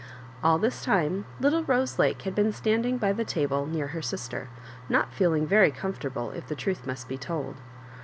All this time little Rose Lake had been stand ing by the table near her sister, noi feeling very comfortable, if the truth must be told.